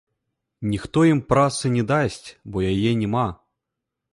Ніхто ім працы не дасць, бо яе няма.